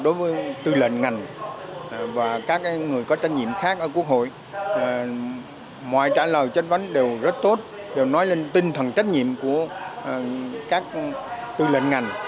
đối với tư lệnh ngành và các người có trách nhiệm khác ở quốc hội mọi trả lời chất vấn đều rất tốt đều nói lên tinh thần trách nhiệm của các tư lệnh ngành